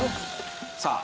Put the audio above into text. さあ